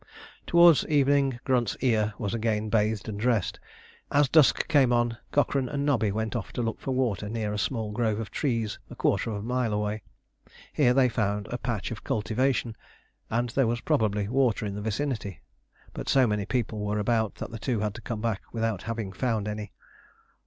Towards evening Grunt's ear was again bathed and dressed. As dusk came on Cochrane and Nobby went off to look for water near a small grove of trees a quarter of a mile away. Here they found a patch of cultivation, and there was probably water in the vicinity; but so many people were about that the two had to come back without having found any.